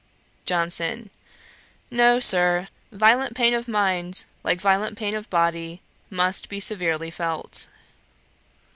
JOHNSON. 'No, Sir; violent pain of mind, like violent pain of body, must be severely felt.'